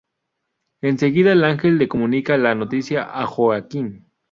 Enseguida el ángel le comunica la noticia a Joaquín.